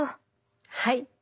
はい。